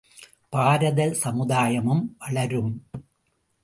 பாரத சமுதாயமும் வளரும.